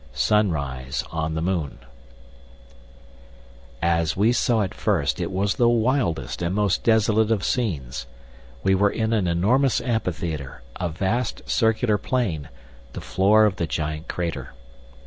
VII. Sunrise on the Moon As we saw it first it was the wildest and most desolate of scenes. We were in an enormous amphitheatre, a vast circular plain, the floor of the giant crater.